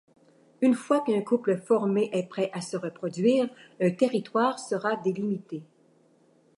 Une fois qu'un couple formé est prêt à se reproduire, un territoire serra délimité.